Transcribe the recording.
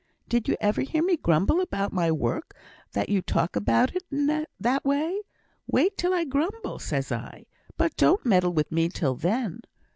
'Did you ever hear me grumble about my work that you talk about it in that way? wait till I grumble,' says I, 'but don't meddle wi' me till then.'